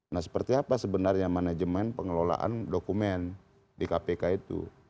nah seperti apa sebenarnya manajemen pengelolaan dokumen di kpk itu